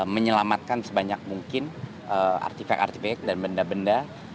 menyelamatkan sebanyak mungkin artefak artefak dan benda benda